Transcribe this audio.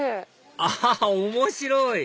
あ面白い！